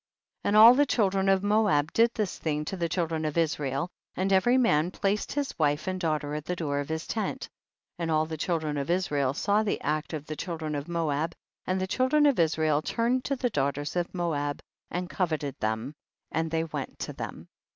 56. And all the children of Moab did this thing to the childi en of Is rael, and every man placed his wife and daughter at the door of his tent, and all the children of Israel saw the act of the children of Moab, and the children of Israel turned to the daugh ters of Moab aiM coveted them, and they went to them.